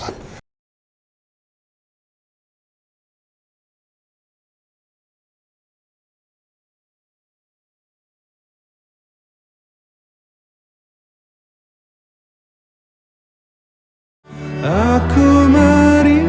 kamu apapun yang berarti